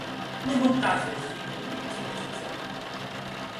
内蒙古大学是一个有年轻的学校。